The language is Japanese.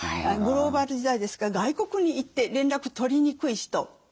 グローバル時代ですから外国に行って連絡取りにくい人。